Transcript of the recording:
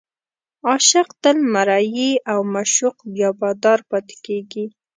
عاشق تل مریی او معشوق بیا بادار پاتې کېږي.